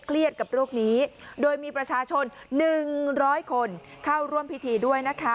เครียดกับโรคนี้โดยมีประชาชนหนึ่งร้อยคนเข้าร่วมพิธีด้วยนะคะ